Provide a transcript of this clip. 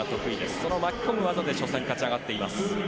その巻き込む技で初戦勝ち上がっています。